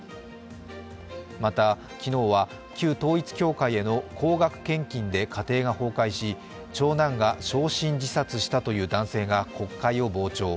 また昨日は旧統一教会への高額献金で家庭が崩壊し、長男が焼身自殺したという男性が国会を傍聴。